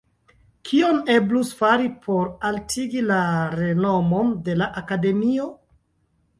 Kion eblus fari por altigi la renomon de la Akademio?